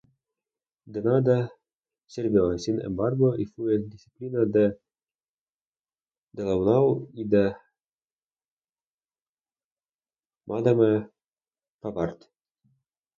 De nada sirvió, sin embargo, y fue discípula de Delaunay y de madame Favart.